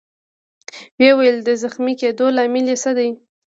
ويې ویل: د زخمي کېدو لامل يې څه دی؟